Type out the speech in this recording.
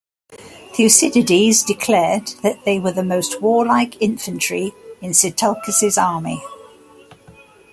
Thucydides declared that they were the most warlike infantry in Sitalkes' army.